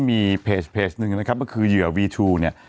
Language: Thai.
มีเพจเพจนึงนะครับก็คือเยื่อวีทรูเนี้ย